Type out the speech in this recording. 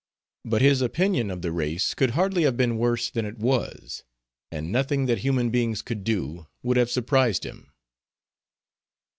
But his opinion of the race could hardly have been worse than it was. And nothing that human beings could do would have surprised him.